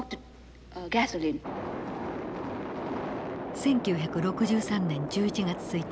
１９６３年１１月１日。